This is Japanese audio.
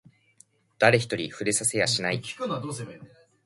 誰一人触れさせやしない